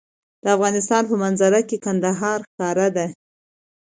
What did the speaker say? د افغانستان په منظره کې کندهار ښکاره ده.